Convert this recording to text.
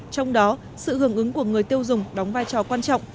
trong đó sự hưởng ứng của người tiêu dùng đóng vai trò quan trọng